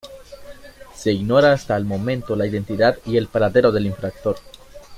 Se ignora hasta el momento la identidad y el paradero del infractor.